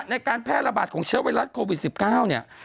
ในการแพร่ระบาดของเชื้อไวรัสโควิด๑๙เนี่ย